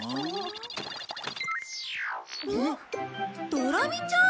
ドラミちゃん！？